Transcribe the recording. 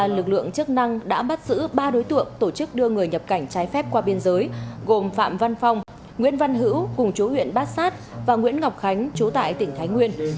lực lượng chức năng đã bắt giữ ba đối tượng tổ chức đưa người nhập cảnh trái phép qua biên giới gồm phạm văn phong nguyễn văn hữu cùng chú huyện bát sát và nguyễn ngọc khánh chú tại tỉnh thái nguyên